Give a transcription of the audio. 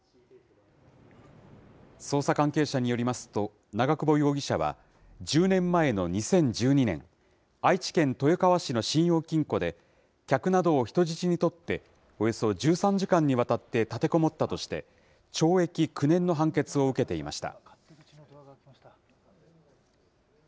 捜査関係者によりますと、長久保容疑者は、１０年前の２０１２年、愛知県豊川市の信用金庫で、客などを人質に取っておよそ１３時間にわたって立てこもったとして、懲役９年の判決を受けていました。